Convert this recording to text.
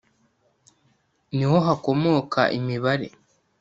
ni ho hakomoka imibare